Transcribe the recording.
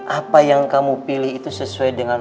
apa yang kamu pilih itu sesuai dengan